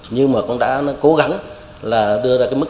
nhưng mà cũng đã cố gắng là đưa ra cái mức